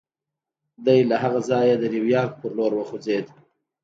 دی له هغه ځایه د نیویارک پر لور وخوځېد